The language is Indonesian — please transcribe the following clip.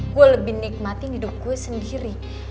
gue lebih nikmatin hidup gue sendiri